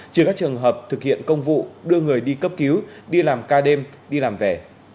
trừ các trường hợp thực hiện công vụ đưa người đi cấp cứu đi làm ca đêm đi làm về